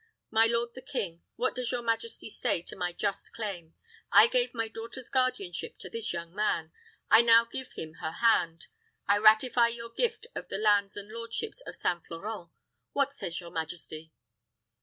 My lord the king, what does your majesty say to my just claim? I gave my daughter's guardianship to this young man: I now give him her hand. I ratify your gift of the lands and lordships of St. Florent. What says your majesty?"